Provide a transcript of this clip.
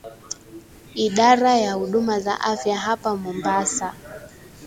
Idara ya huduma za afya hapa Mombasa